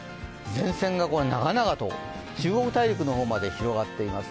前線が長々と、中国大陸の方まで広がっています。